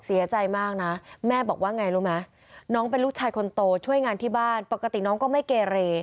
เสียใจมากนะแม่บอกว่าไงรู้ไหมน้องเป็นลูกชายคนโตช่วยงานที่บ้านปกติน้องก็ไม่เกเร